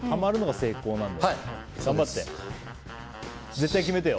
絶対決めてよ。